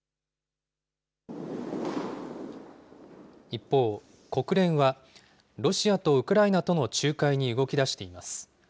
一方、国連はロシアとウクライナとの仲介に動きだしています。